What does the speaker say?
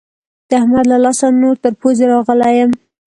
د احمد له لاسه نور تر پوزې راغلی يم.